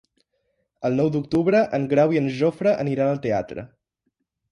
El nou d'octubre en Grau i en Jofre aniran al teatre.